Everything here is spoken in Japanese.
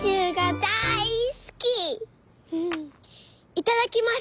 いただきます！」。